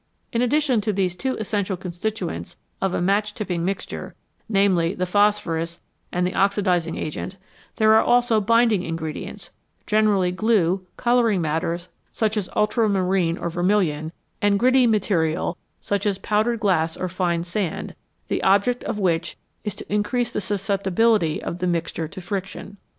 In addition to these two essential constituents of a match tipping mixture, namely, the phosphorus and the oxidising agent, there are also binding ingredients, generally glue, HOW FIRE IS MADE colouring matters, such as ultramarine or vermilion, and gritty material, such as powdered glass or fine sand, the object of which is to increase the susceptibility of the mixture to friction.